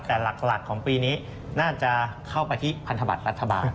แต่หลักของปีนี้น่าจะเข้าไปที่พันธบัตรรัฐบาล